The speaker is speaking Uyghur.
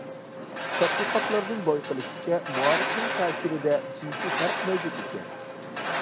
تەتقىقاتلاردىن بايقىلىشىچە، مائارىپنىڭ تەسىرىدە جىنسىي پەرق مەۋجۇت ئىكەن.